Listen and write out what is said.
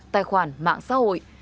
tài khoản và các loại thông tin